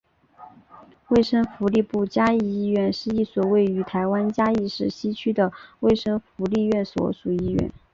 卫生福利部嘉义医院是一所位于台湾嘉义市西区的卫生福利部所属医院。